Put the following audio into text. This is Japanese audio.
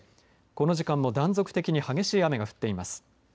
この時間も断続的に激しい雨が降っています。